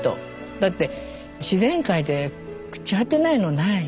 だって自然界で朽ち果てないのない。